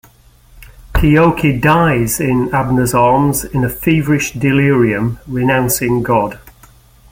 Keoki dies in Abner's arms in a feverish delirium, renouncing God.